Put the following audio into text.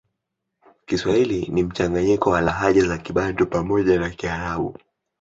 Kiswahili ni mchanganyiko wa lahaja za kibantu pamoja na kiarabu